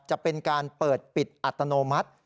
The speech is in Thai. จะเป็นการเปิดปิดอัตโนมัติ